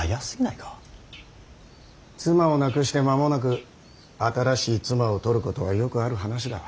妻を亡くして間もなく新しい妻を取ることはよくある話だ。